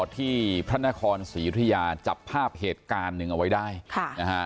ที่พระนครศรียุธยาจับภาพเหตุการณ์นึงที่เอาไว้ได้